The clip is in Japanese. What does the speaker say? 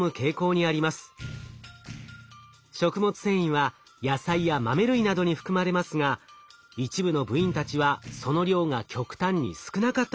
食物繊維は野菜や豆類などに含まれますが一部の部員たちはその量が極端に少なかったといいます。